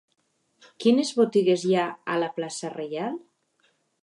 Quines botigues hi ha a la plaça Reial?